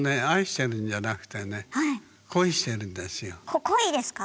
こ恋ですか？